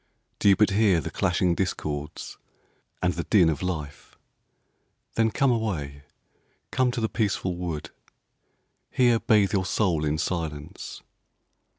Do you but hear the clashing discords and the din of life? Then come away, come to the peaceful wood, Here bathe your soul in silence.